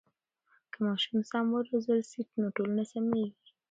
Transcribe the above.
که ماشومان سم و روزل سي نو ټولنه سمیږي.